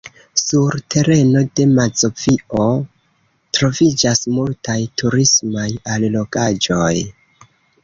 Sur tereno de Mazovio troviĝas multaj turismaj allogaĵoj.